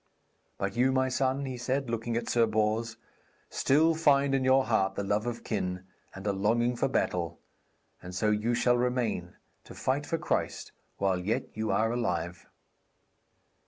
But you, my son,' he said, looking at Sir Bors, 'still find in your heart the love of kin, and a longing for battle, and so you shall remain, to fight for Christ while yet you are alive.'